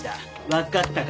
わかったか？